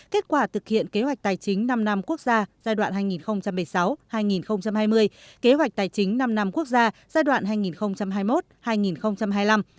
kết quả thực hiện kế hoạch tài chính năm năm quốc gia giai đoạn hai nghìn một mươi sáu hai nghìn hai mươi kế hoạch tài chính năm năm quốc gia giai đoạn hai nghìn hai mươi một hai nghìn hai mươi năm